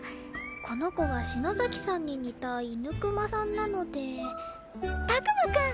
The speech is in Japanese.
この子は篠崎さんに似た犬クマさんなのでたくまくん！